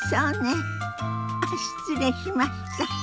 あっ失礼しました。